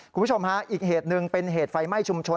คุณผู้ชมฮะอีกเหตุหนึ่งเป็นเหตุไฟไหม้ชุมชน